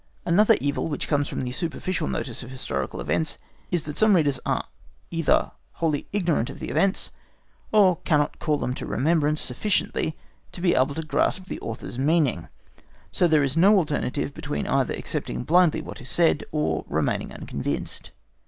Another evil which comes from the superficial notice of historical events, is that some readers are either wholly ignorant of the events, or cannot call them to remembrance sufficiently to be able to grasp the author's meaning, so that there is no alternative between either accepting blindly what is said, or remaining unconvinced.